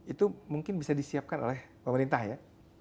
itu mungkin bisa disiapkan oleh pemerintah ya